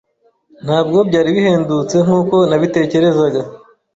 Ntabwo byari bihendutse nkuko nabitekerezaga.